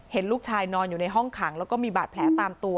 เห็นลูกชายนอนอยู่ในห้องขังแล้วก็มีบาดแผลตามตัว